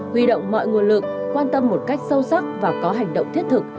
huy động mọi nguồn lực quan tâm một cách sâu sắc và có hành động thiết thực